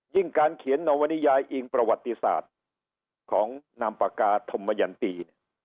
ยิ่งการเขียนนวดิยายอิงประวัติศาสตร์ของนามปากาธมยันตี